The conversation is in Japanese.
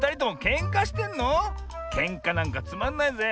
けんかなんかつまんないぜ。